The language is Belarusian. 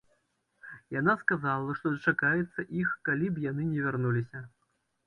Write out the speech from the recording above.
Яна сказала, што дачакаецца іх, калі б яны ні вярнуліся.